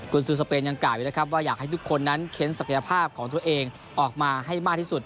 กุลซูสเปนยังกล่าวว่าอยากให้ทุกคนนั้นเข้นศักยภาพของตัวเองออกมาให้มากที่สุด